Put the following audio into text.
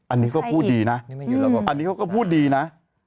อันนี้เขาก็พูดดีนะ